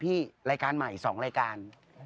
พี่จะได้งานใหม่สองรายการ